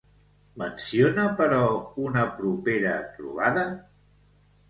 Menciona, però, una propera trobada?